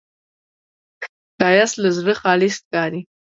ښایست له زړه خالص ښکاري